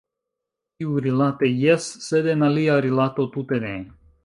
Tiurilate jes, sed en alia rilato tute ne.